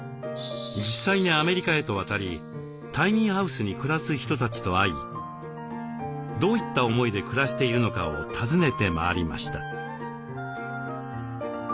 実際にアメリカへと渡りタイニーハウスに暮らす人たちと会いどういった思いで暮らしているのかを尋ねて回りました。